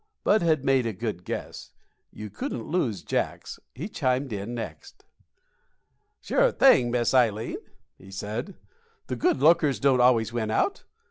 Bud had made a good guess. You couldn't lose Jacks. He chimed in next. "Sure thing, Miss Ileen," he said; "the good lookers don't always win out.